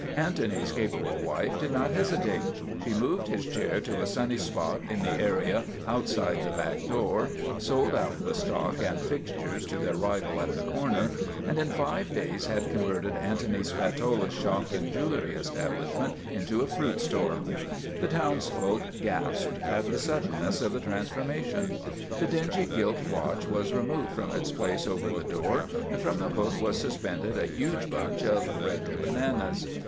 Antony's capable wife did not hesitate. She moved his chair to a sunny spot in the area outside 78 MADNESS OF ANTONY SPATOLA the back door, sold out the stock and fixtures to their rival at the corner, and in five davs had converted Antony Spatola's shop and jewelry establishment into a fruit store. The townsfolk gasped at the suddenness of the transformation. The dingy gilt watch was removed from its place over the door and from the hook was suspended a huge bunch of red bananas.